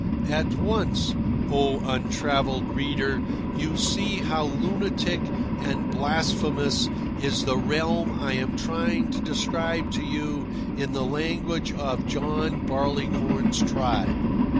At once, O untravelled reader, you see how lunatic and blasphemous is the realm I am trying to describe to you in the language of John Barleycorn's tribe.